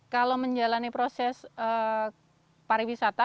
kalau menjalani proses pariwisata